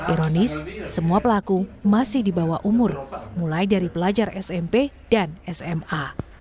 ironis semua pelaku masih di bawah umur mulai dari pelajar smp dan sma